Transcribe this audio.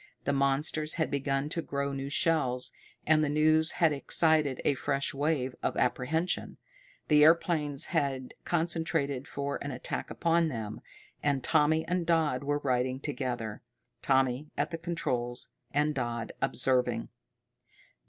The monsters had begun to grow new shells, and the news had excited a fresh wave of apprehension. The airplanes had concentrated for an attack upon them, and Tommy and Dodd were riding together, Tommy at the controls, and Dodd observing.